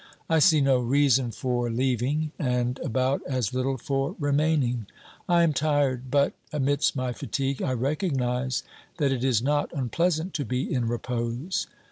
I see no reason for leaving, and about as little for remaining. I am tired, but, amidst my fatigue, I recognise that it is not unpleasant to be in repose.